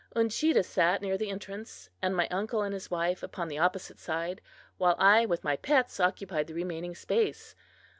Uncheedah sat near the entrance, my uncle and his wife upon the opposite side, while I with my pets occupied the remaining space.